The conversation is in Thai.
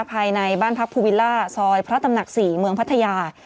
ภายในบ้านพักภูวิลล่าซอยพระตำหนัก๔เมืองพัทยา